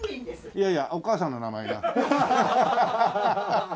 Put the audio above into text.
いやいやお母さんの名前。